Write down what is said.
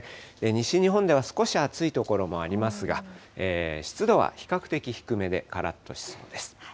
西日本では少し暑い所もありますが、湿度は比較的低めで、からっとしそうです。